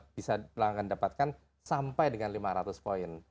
bisa pelanggan dapatkan sampai dengan lima ratus poin